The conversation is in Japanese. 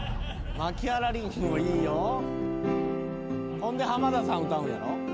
ほんで浜田さん歌うんやろ？